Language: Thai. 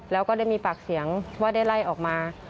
แล้วก็ได้มีปากเสียงว่าได้ไล่ออกมา